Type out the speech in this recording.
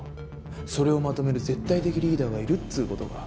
それをまとめる絶対的リーダーがいるっつう事か。